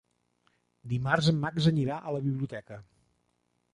Dimarts en Max anirà a la biblioteca.